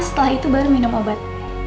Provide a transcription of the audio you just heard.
setelah itu baru minum obat